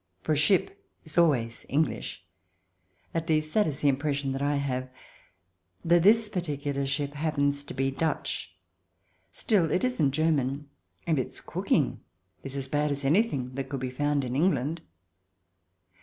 For a ship is always EngHsh — at least, that is the impres sion that I have, though this particular ship happens to be Dutch. Still, it isn't German, and its cooking is as bad as anything that could be found in England.